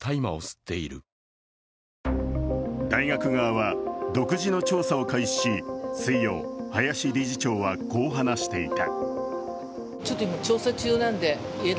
大学側は独自の調査を開始し、水曜、林理事長はこう話していた。